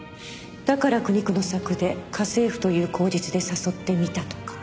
だから苦肉の策で家政婦という口実で誘ってみたとか。